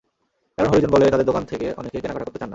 কারণ, হরিজন বলে তাঁদের দোকান থেকে অনেকে কেনাকাটা করতে চান না।